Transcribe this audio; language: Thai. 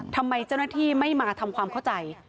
ทำไมเจ้าหน้าที่ไม่มาทำความเข้าใจ